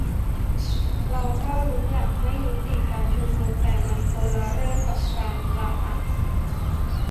"เราก็ลุ้นอยากให้ยุติการชุมนุม แต่มันคนละเรื่องกับการปราบอะ"